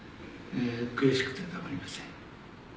悔しくてたまりません。